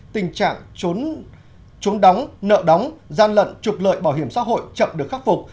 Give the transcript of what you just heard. tình trạng trốn đóng nợ đóng gian lận trục lợi bảo hiểm xã hội chậm được khắc phục